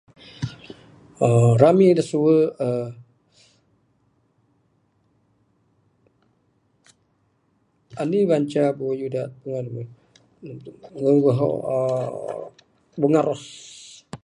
aaa rami da suwe aaa ... anih banca bunga da puan mu [aaa haaa aaa] bunga ros.